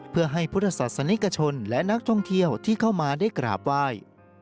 เพื่อให้พุทธศาสนิกชนและนักท่องเที่ยวที่เข้ามาได้กราบไหว้